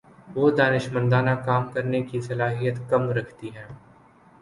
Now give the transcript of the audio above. وہ دانشمندانہ کام کرنے کی صلاحیت کم رکھتی ہیں